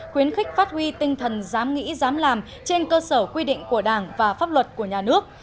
khuyến khích phát huy tinh thần dám nghĩ dám làm trên cơ sở quy định của đảng và pháp luật của nhà nước